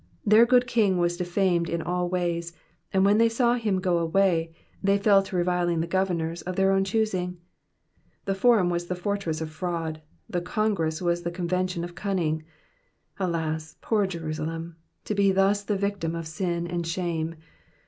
Their good king was defamed in all ways, and when they saw him go away, they fell to reviling the governors of their own choosing. The forum was the fortress of fraud, the congress was the convention of cunning. Alas, poor Jerusalem, to be Digitized by VjOOQIC PSALM THE FIBTY FIFTH. 19 thus the victim of sin and shame